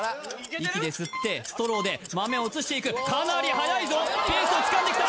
息で吸ってストローで豆を移していくかなりはやいぞペースをつかんできた